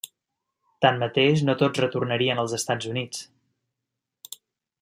Tanmateix, no tots retornarien als Estats Units.